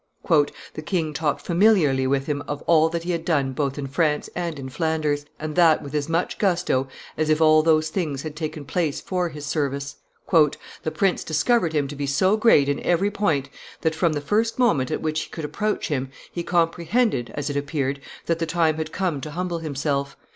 451.] "The king talked familiarly with him of all that he had done both in France and in Flanders, and that with as much gusto as if all those things had taken place for his service." "The prince discovered him to be so great in every point that, from the first moment at which he could approach him, he comprehended, as it appeared, that the time had come to humble himself.